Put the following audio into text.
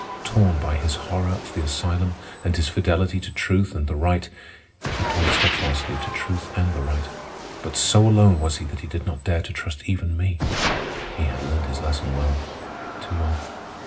Torn by his horror of the asylum and his fidelity to truth and the right, he clung steadfastly to truth and the right; but so alone was he that he did not dare to trust even me. He had learned his lesson well—too well.